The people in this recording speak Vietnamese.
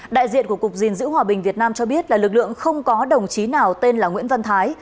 đại diện của cục gìn giữ hòa bình việt nam cho biết là lực lượng không có đồng chí nào tên là nguyễn văn thái